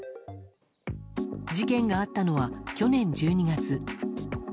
事件があったのは去年１２月。